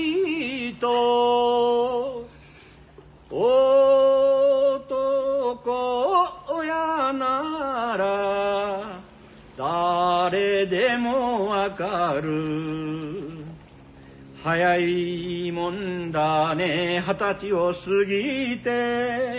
「おとこ親なら誰でも分かる」「早いもんだね二十才を過ぎて」